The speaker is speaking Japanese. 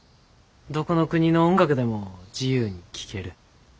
どこの国の音楽でも自由に聴ける。